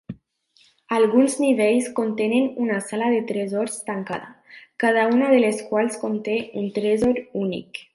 Alguns nivells contenen una sala de tresors tancada, cada una de les quals conté un tresor únic.